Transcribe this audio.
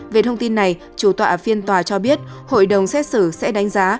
về thông tin này chủ tọa phiên tòa cho biết hội đồng xét xử sẽ đánh giá